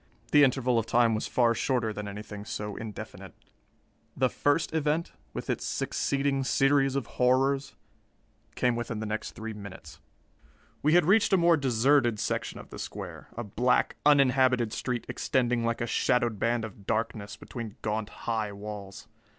The interval of time was far shorter than anything so indefinite. The first event, with its succeeding series of horrors, came within the next three minutes. We had reached a more deserted section of the square, a black, uninhabited street extending like a shadowed band of darkness between gaunt, high walls.